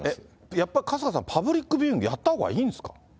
やっぱ、春日さん、パブリックビューイングやったほうがいいんですか。